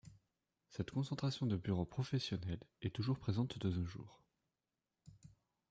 Cette concentration de bureaux professionnels est toujours présente de nos jours.